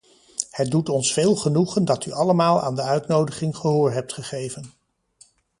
Het doet ons veel genoegen dat u allemaal aan de uitnodiging gehoor hebt gegeven.